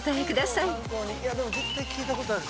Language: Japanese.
でも絶対聞いたことある。